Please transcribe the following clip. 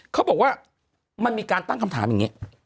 เขาบอกว่ามันมีการตั้งคำถามอย่างนี้